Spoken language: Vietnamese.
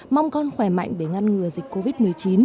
mong con khỏe mạnh để ngăn ngừa dịch covid một mươi chín